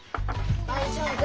大丈夫。